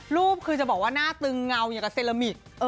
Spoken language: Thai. รูปคือจะบอกว่าน่าตึงเงาเซรามิค